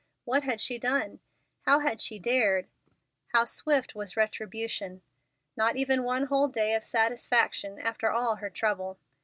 What had she done? How had she dared? How swift was retribution! Not even one whole day of satisfaction, after all her trouble!